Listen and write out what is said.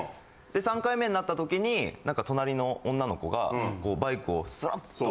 ３回目になったときになんか隣の女の子がバイクをすっと。